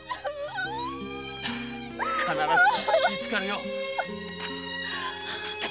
必ずみつかるよ。